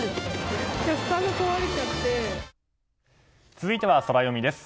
続いてはソラよみです。